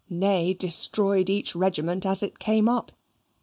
Ney destroyed each regiment as it came up.